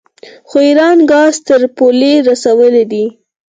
خو ایران ګاز تر پولې رسولی دی.